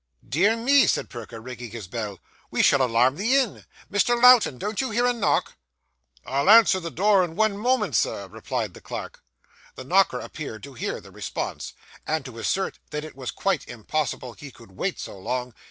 'Dear me!' said Perker, ringing his bell, 'we shall alarm the inn. Mr. Lowten, don't you hear a knock?' 'I'll answer the door in one moment, Sir,' replied the clerk. The knocker appeared to hear the response, and to assert that it was quite impossible he could wait so long.